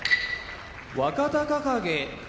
若隆景